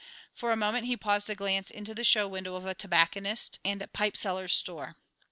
For a moment he paused to glance into the show window of a tobacconist and pipe seller's store.